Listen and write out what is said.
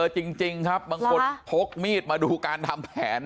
จริงครับบางคนพกมีดมาดูการทำแผน